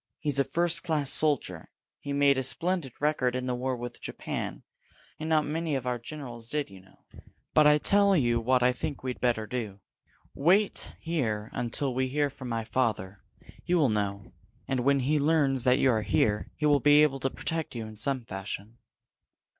He's a first class soldier. He made a splendid record in the war with Japan and not many of our generals did, you know. But I tell you what I think we'd better do. Wait here until we hear from my father. He will know. And when he learns that you are here, he will be able to protect you in some fashion."